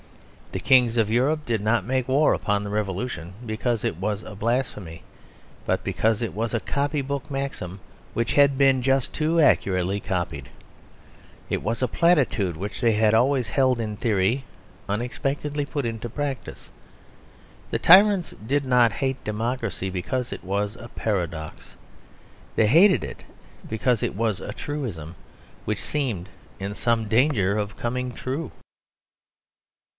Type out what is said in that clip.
The kings of Europe did not make war upon the Revolution because it was a blasphemy, but because it was a copy book maxim which had been just too accurately copied. It was a platitude which they had always held in theory unexpectedly put into practice. The tyrants did not hate democracy because it was a paradox; they hated it because it was a truism which seemed in some danger of coming true.